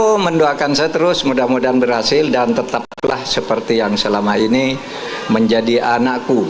saya berdoakan seterus mudah mudahan berhasil dan tetaplah seperti yang selama ini menjadi anakku